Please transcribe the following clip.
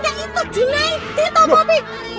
lareknya itu jenay di toh bobby